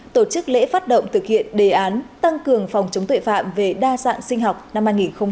tổ chức lễ phát động thực hiện đề án tăng cường phòng chống tội phạm về đa dạng sinh học năm hai nghìn hai mươi